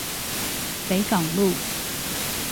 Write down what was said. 北港路